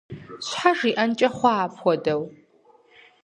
Щхьэ жиӀэнкӀэ хъуа апхуэдэу?